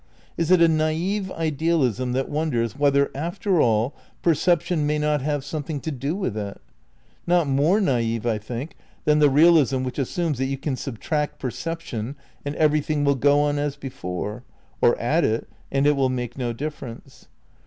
Is it a naif idealism that wonders whether, after all, percep tion may not have something to do with it ? Not more naif, I think, than the realism which assumes that you can subtract perception and everything will go on as before, or add it and it will make no difference.